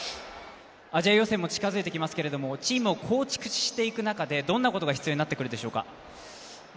アジア予選も近づいてきますけれども、チームを構築していく中でどんなことが必要になってくるでしょうか？